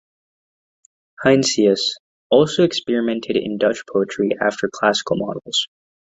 Heinsius also experimented in Dutch poetry after classical models.